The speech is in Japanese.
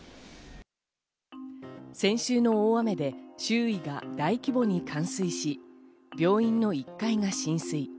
先週の大雨で周囲が大規模に冠水し、病院の１階が浸水。